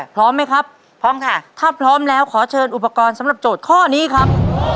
พร้อมไหมครับพร้อมค่ะถ้าพร้อมแล้วขอเชิญอุปกรณ์สำหรับโจทย์ข้อนี้ครับ